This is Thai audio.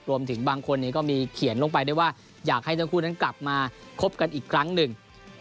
รวมถึงบางคนนี้ก็มีเขียนลงไปด้วยว่าอยากให้ทั้งคู่นั้นกลับมาคบกันอีกครั้งหนึ่ง